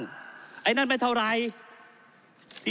อย่างนั้นไม่เท่าไร